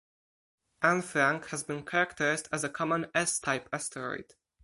"Annefrank" has been characterized as a common S-type asteroid.